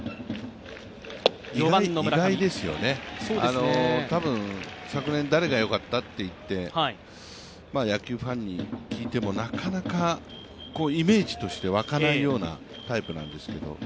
意外ですよね、多分昨年誰がよかった？と野球ファンに聞いても、なかなかイメージとして沸かないようなタイプなんですけれども。